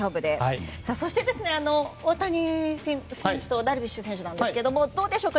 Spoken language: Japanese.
そして、大谷選手とダルビッシュ選手なんですがどうでしょうか？